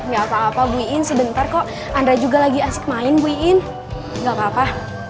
gak apa apa bu iin sebentar kok anda juga lagi asik main bu iin gak apa apa